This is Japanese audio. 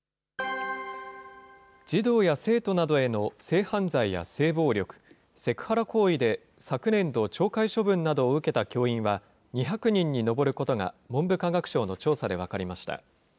児童や生徒などへの性犯罪や性暴力、セクハラ行為で、昨年度、懲戒処分などを受けた教員は、２００人に上ることが、文部科学省の調査で分かりました。